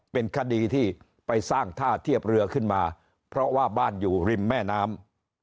เป็นคดีที่ไปสร้างท่าเทียบเรือขึ้นมาเพราะว่าบ้านอยู่ริมแม่น้ำ